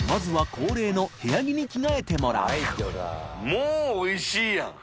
もうおいしいやん！